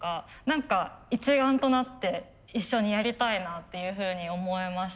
何か一丸となって一緒にやりたいなっていうふうに思えました。